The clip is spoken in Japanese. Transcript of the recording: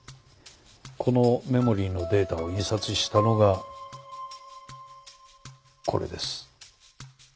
このメモリーのデータを印刷したのがこれです。